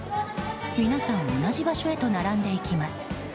皆さん同じ場所へと並んでいきます。